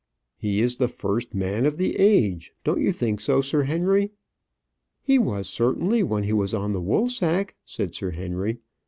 "He is the first man of the age; don't you think so, Sir Henry?" "He was, certainly, when he was on the woolsack," said Sir Henry.